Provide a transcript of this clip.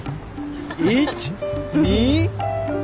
１２。